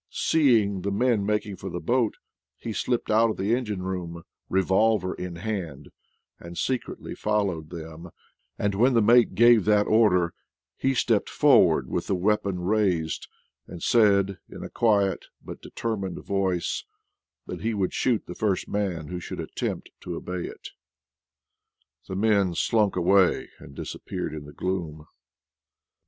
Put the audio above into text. Seeing the men making for the boat, he slipped out of the engine room, revolver in hand, and secretly fol lowed them; and when the mate gave that order, he stepped forward with the weapon raised, and eaid in a quiet but determined voice that he would ehoot the first man who should attempt to obey it. The men slunk away and disappeared in the gloom.